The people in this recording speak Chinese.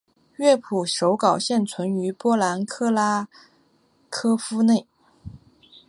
乐谱手稿现存于波兰克拉科夫内。